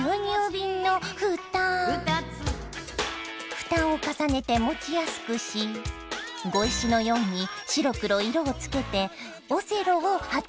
蓋を重ねて持ちやすくし碁石のように白黒色をつけてオセロを発明したんだ！